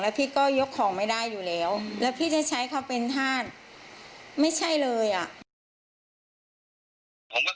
พี่ก็ยกของไม่ได้อยู่แล้วแล้วพี่จะใช้เขาเป็นธาตุไม่ใช่เลยอ่ะ